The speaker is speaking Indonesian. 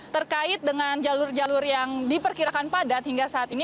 terkait dengan jalur jalur yang diperkirakan padat hingga saat ini